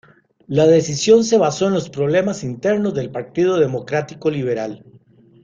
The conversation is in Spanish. La decisión se basó en los problemas internos del Partido Democrático Liberal.